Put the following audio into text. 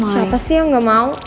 siapa sih yang gak mau